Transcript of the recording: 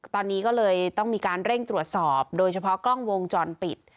ตอนนี้ก็เลยต้องมีการเร่งตรวจสอบโดยเฉพาะกล้องวงจรปิด